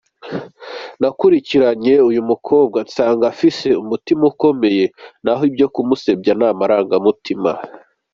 nakurikiranye uyu mukobwa nsanga afise umutima ukomeye naho ibyo kumusebya namaranga mutima .